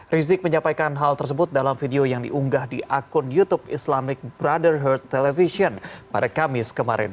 rizik menyampaikan hal tersebut dalam video yang diunggah di akun youtube islamic brotherhood television pada kamis kemarin